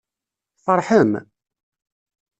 Tfeṛḥem?